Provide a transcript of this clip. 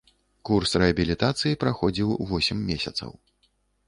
Курс рэабілітацыі праходзіў восем месяцаў.